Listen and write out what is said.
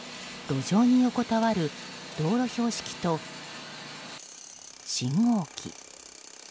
路上に横たわる道路標識と信号機。